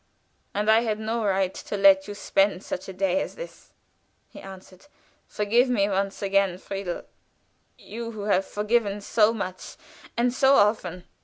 "And I had no right to let you spend such a day as this," he answered. "Forgive me once again, Friedel you who have forgiven so much and so often."